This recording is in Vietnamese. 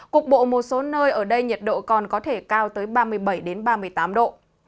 cục bộ một số nơi ở đây nhiệt độ còn có thể cao tới ba mươi bảy ba mươi tám độ